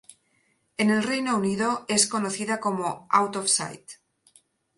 En el Reino Unido es conocida como "Out of Sight".